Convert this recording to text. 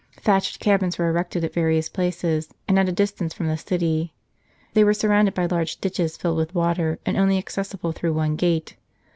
Thatched cabins were erected at various places, and at a distance from the city. They were surrounded by large ditches filled with water, and only accessible through one gate.